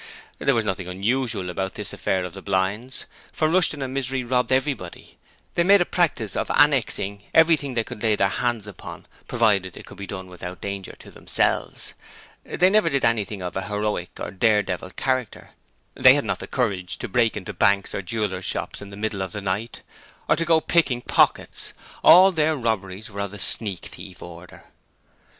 There was nothing unusual about this affair of the blinds, for Rushton and Misery robbed everybody. They made a practice of annexing every thing they could lay their hands upon, provided it could be done without danger to themselves. They never did anything of a heroic or dare devil character: they had not the courage to break into banks or jewellers' shops in the middle of the night, or to go out picking pockets: all their robberies were of the sneak thief order.